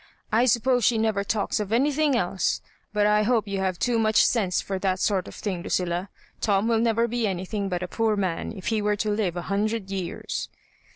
I suppose she never talks of any thing else. But I hope you have too much sense for that sort of thing, LucUla Tom will never be any thuag but a poor man if he were to live a hundred years."